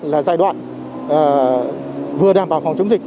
là giai đoạn vừa đảm bảo phòng chống dịch